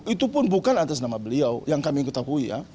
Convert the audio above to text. itu pun bukan atas nama beliau yang kami ketahui ya